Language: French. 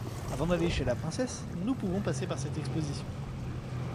Avant d'aller chez la princesse, nous pouvons passer par cette Exposition.